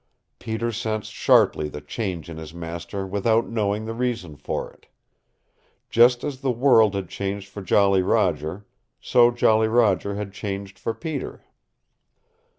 Peter sensed sharply the change in his master without knowing the reason for it. Just as the world had changed for Jolly Roger, so Jolly Roger had changed for Peter.